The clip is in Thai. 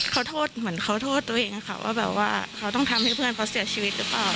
เขาโทษเหมือนเขาโทษตัวเองค่ะว่าแบบว่าเขาต้องทำให้เพื่อนเขาเสียชีวิตหรือเปล่า